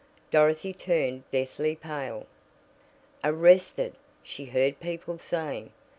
Dorothy turned deathly pale. "Arrested!" she heard people saying.